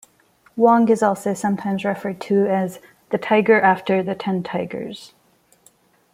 Wong is also sometimes referred to as the "Tiger after the Ten Tigers".